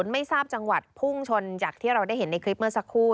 ไม่ทราบจังหวัดพุ่งชนจากที่เราได้เห็นในคลิปเมื่อสักครู่